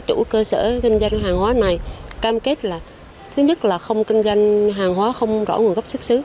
lực lượng cảnh sát kinh tế công an thành phố đà nẵng đã đồng loạt gia quân